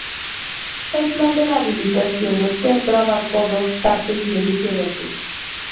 El plan de rehabilitación del teatro abarcó dos partes bien diferentes.